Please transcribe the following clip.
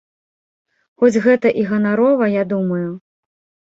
Хоць гэта і ганарова, я думаю.